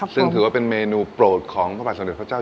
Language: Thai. ซึ่งถือว่าเป็นเมนูโปรดของพระบาทสมเด็จพระเจ้า